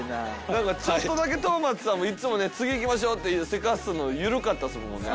何かちょっとだけ東松さんもいつもね次行きましょってせかすの緩かったですもんね